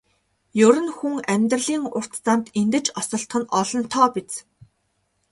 Ер нь хүн амьдралын урт замд эндэж осолдох нь олонтоо биз.